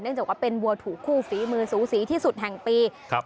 จากว่าเป็นวัวถูกคู่ฝีมือสูสีที่สุดแห่งปีครับ